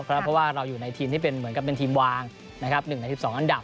เพราะว่าเราอยู่ในทีมที่เป็นเหมือนกับเป็นทีมวาง๑ใน๑๒อันดับ